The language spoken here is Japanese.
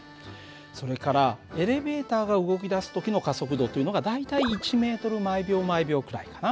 それからエレベーターが動きだす時の加速度というのが大体１ｍ／ｓくらいかな。